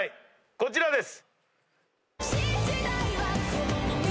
こちらです。